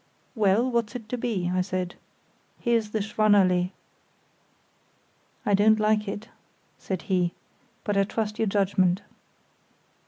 "Well, what's it to be?" I said. "Here's the Schwannallée." "I don't like it," said he; "but I trust your judgement."